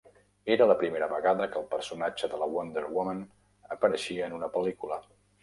Era la primera vegada que el personatge de la Wonder woman apareixia en una pel·lícula.